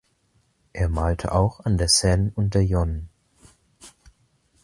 Er malte auch an der Seine und der Yonne.